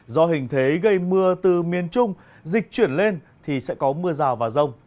do hình thế gây mưa từ miền trung dịch chuyển lên thì sẽ có mưa rào và rông